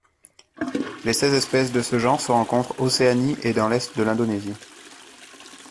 Les seize espèces de ce genre se rencontrent Océanie et dans l'est de l'Indonésie.